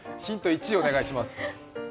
１お願いします。